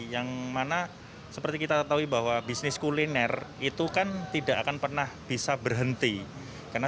yang mana seperti kita tahu bahwa bisnis kuliner itu kan tidak akan pernah bisa berhenti karena